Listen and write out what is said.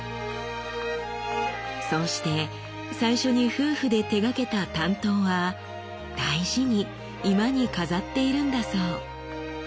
そうして最初に夫婦で手がけた短刀は大事に居間に飾っているんだそう。